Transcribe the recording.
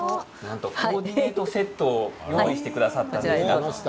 コーディネートセットをご用意していただいたそうです。